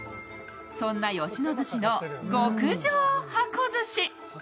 そんな吉野寿司の極上箱寿司。